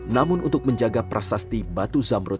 namun untuk menjaga prasasti batu zamrut